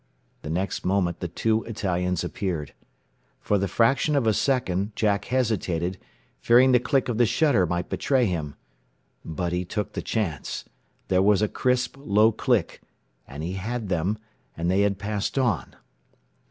The next moment the two Italians appeared. For the fraction of a second Jack hesitated, fearing the click of the shutter might betray him. But he took the chance, there was a crisp, low click and he had them, and they had passed on.